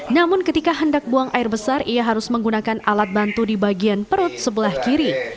namun ketika hendak buang air besar ia harus menggunakan alat bantu di bagian perut sebelah kiri